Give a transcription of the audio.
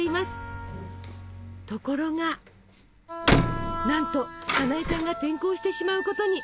ところがなんとさなえちゃんが転校してしまうことに！